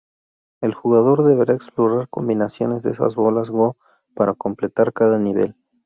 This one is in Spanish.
El jugador deberá explorar combinaciones de esas bolas goo para completar cada nivel.